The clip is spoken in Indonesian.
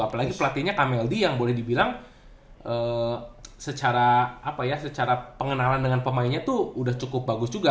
apalagi pelatihnya kameldi yang boleh dibilang secara pengenalan dengan pemainnya tuh udah cukup bagus juga